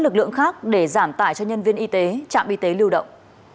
lực lượng khác để giảm tải cho nhân viên y tế trạm y tế lưu động